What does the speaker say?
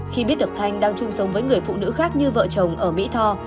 khi biết được thanh đang chung sống với người phụ nữ khác như vợ chồng ở mỹ tho